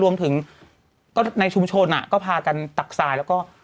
รวมถึงก็ในชุมชนก็พากันตักทรายแล้วก็